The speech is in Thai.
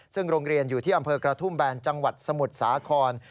ซึ่งโรงเรียนอยู่ที่อำเภอกระทุ่มแบนจังหวัดสมุทรสาคร